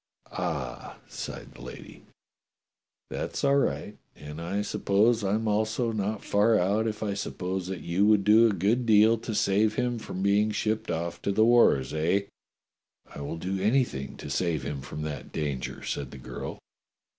"Ah!" sighed the lady, "that's all right, and I sup pose I'm also not far out if I suppose that you would do a good deal to save him from being shipped off to the wars, eh?" "I will do anything to save him from that danger," said the girl.